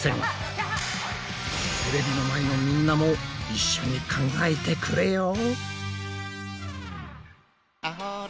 テレビの前のみんなも一緒に考えてくれよ！